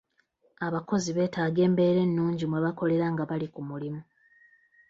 Abakozi beetaaga embeera ennungi mwe bakolera nga bali ku mulimu.